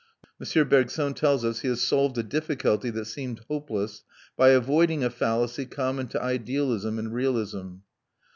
M. Bergson tells us he has solved a difficulty that seemed hopeless by avoiding a fallacy common to idealism and realism.